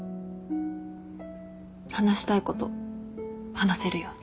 話したいこと話せるように。